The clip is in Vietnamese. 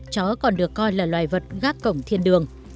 chó còn được coi là loài vật gác cổng thiên đường